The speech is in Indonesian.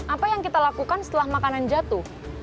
apa yang kita lakukan setelah makanan jatuh